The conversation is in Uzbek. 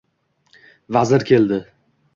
Vazir keldi.